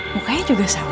mukanya juga sama